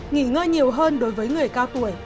nghỉ ngơi nhiều hơn đối với người cao tuổi